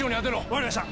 分かりました。